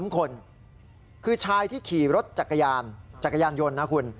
๓คนคือชายที่ขี่รถจักรยานจักรยานยนต์นะคุณ